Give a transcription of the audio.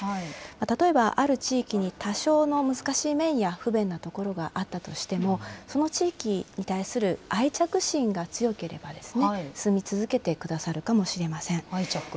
例えばある地域に多少の難しい面や、不便なところがあったとしても、その地域に対する愛着心が強ければ、住み続けてくださるかもしれません。